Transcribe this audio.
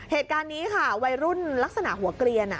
เหตุการณ์นี้ค่ะวัยรุ่นลักษณะหัวเกลียน